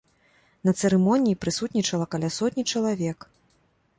На цырымоніі прысутнічала каля сотні чалавек.